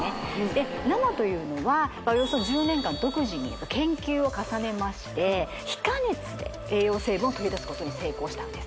で生というのはおよそ１０年間独自に研究を重ねまして非加熱で栄養成分を取り出すことに成功したんです